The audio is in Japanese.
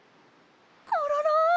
コロロ。